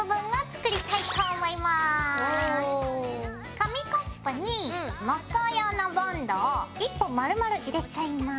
紙コップに木工用のボンドを１本まるまる入れちゃいます。